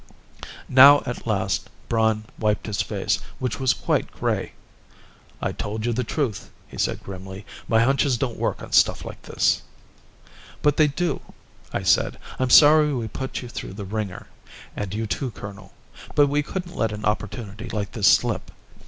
Now, at last, Braun wiped his face, which was quite gray. "I told you the truth," he said grimly. "My hunches don't work on stuff like this." "But they do," I said. "I'm sorry we put you through the wringer and you too, colonel but we couldn't let an opportunity like this slip.